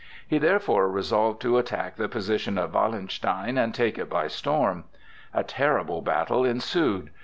He therefore resolved to attack the position of Wallenstein and take it by storm. A terrible battle ensued.